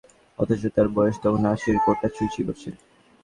অথচ তার বয়স তখন আশির কোঠা ছুঁই ছুঁই করছে।